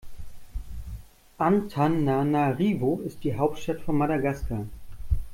Antananarivo ist die Hauptstadt von Madagaskar.